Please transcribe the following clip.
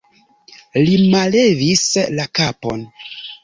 Li mallevis la kapon.